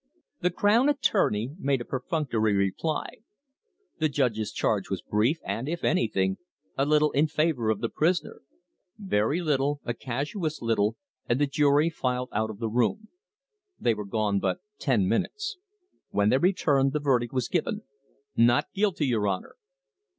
The crown attorney made a perfunctory reply. The judge's charge was brief, and, if anything, a little in favour of the prisoner very little, a casuist's little; and the jury filed out of the room. They were gone but ten minutes. When they returned, the verdict was given: "Not guilty, your Honour!"